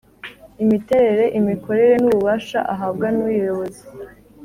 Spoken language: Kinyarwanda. imiterere imikorere n ububasha ahabwa nuyuyobozi